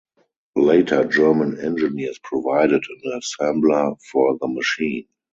Later German engineers provided an assembler for the machine.